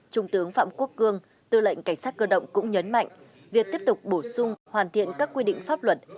trung tướng phạm quốc cương tư lệnh cảnh sát cơ động cũng nhấn mạnh việc tiếp tục bổ sung hoàn thiện các quy định pháp luật